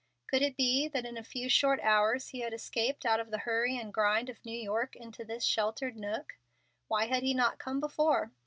Could it be that in a few short hours he had escaped out of the hurry and grind of New York into this sheltered nook? Why had he not come before?